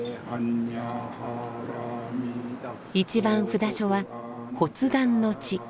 一番札所は発願の地。